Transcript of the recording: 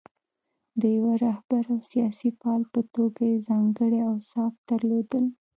د یوه رهبر او سیاسي فعال په توګه یې ځانګړي اوصاف درلودل.